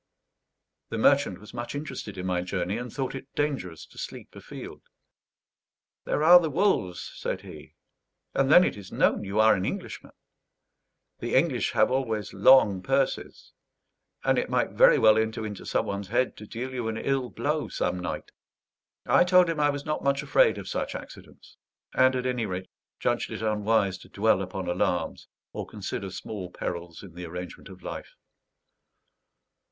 The merchant was much interested in my journey, and thought it dangerous to sleep afield. "There are the wolves," said he; "and then it is known you are an Englishman. The English have always long purses, and it might very well enter into some one's head to deal you an ill blow some night." I told him I was not much afraid of such accidents; and at any rate judged it unwise to dwell upon alarms or consider small perils in the arrangement of life.